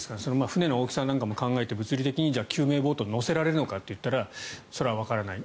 船の大きさも考えて物理的に救命ボートを載せられるのかというとそれはわからない。